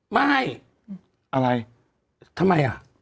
ไม่อะไรทำไมอ่ะ